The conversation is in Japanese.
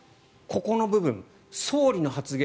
ここの部分、総理の発言